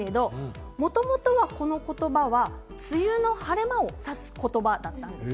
もともとは、この言葉は梅雨の晴れ間を指す言葉でした。